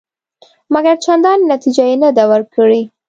مګر چندانې نتیجه یې نه ده ورکړې.